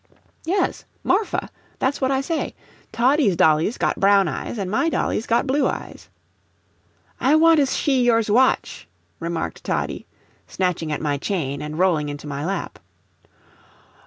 "Yes, Marfa that's what I say. Toddie's dolly's got brown eyes, an' my dolly's got blue eyes." "I want to shee yours watch," remarked Toddie, snatching at my chain, and rolling into my lap.